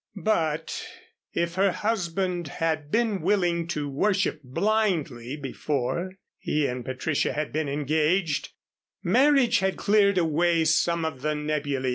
But if her husband had been willing to worship blindly before he and Patricia had been engaged, marriage had cleared away some of the nebulæ.